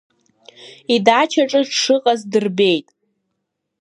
Идачаҿы дшыҟаз дырбеит…